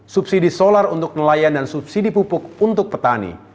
subsidi solar untuk nelayan dan subsidi pupuk untuk petani